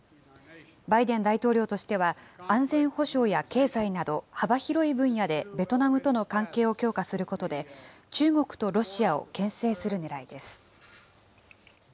バイデン大統領としては安全保障や経済など、幅広い分野でベトナムとの関係を強化することで、中国とロシアをけん制するねらいです。